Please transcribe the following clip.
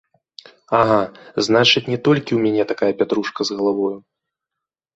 Ага, значыць, не толькі ў мяне такая пятрушка з галавою.